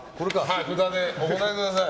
札でお答えください。